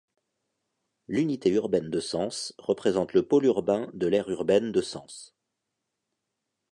L'unité urbaine de Sens représente le pôle urbain de l'aire urbaine de Sens.